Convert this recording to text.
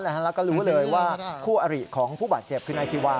แล้วก็รู้เลยว่าคู่อริของผู้บาดเจ็บคือนายซีวา